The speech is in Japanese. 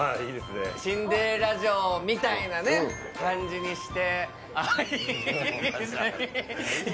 シンデレラ城みたいな感じにして。